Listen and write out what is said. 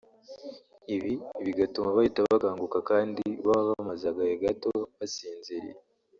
ibi bigatuma bahita bakanguka kandi baba bamaze agahe gato basinziriye